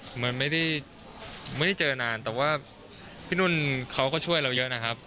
เหมือนไม่ได้เจอนานแต่ว่าพี่นุ่นเขาก็ช่วยเราเยอะนะครับ